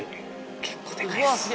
結構でかいっす。